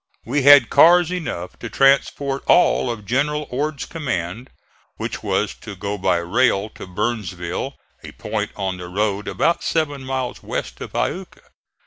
We had cars enough to transport all of General Ord's command, which was to go by rail to Burnsville, a point on the road about seven miles west of Iuka.